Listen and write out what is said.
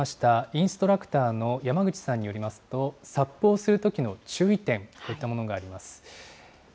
インストラクターの山口さんによりますと、ＳＵＰをするときの注意点、こういったものがあります。